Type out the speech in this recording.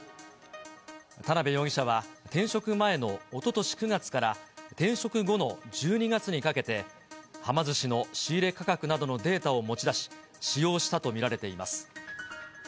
田辺容疑者は転職前のおととし９月から、転職後の１２月にかけて、はま寿司の仕入れ価格などのデータを持ち出し、使用したと見られています。